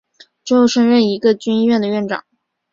之后升任一个军医院的院长。